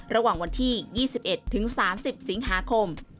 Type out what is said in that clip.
ระหว่างวันที่๒๑ถึง๓๐สิงหาคม